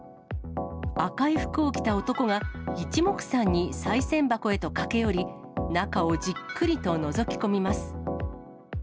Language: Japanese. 赤い服を着た男が、いちもくさんにさい銭箱へと駆け寄り、中をじっくりとのぞき込みます。